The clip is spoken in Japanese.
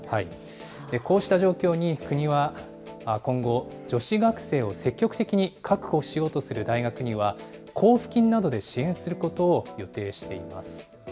こうした状況に国は今後、女子学生を積極的に確保しようとする大学には、交付金などで支援することを予定しています。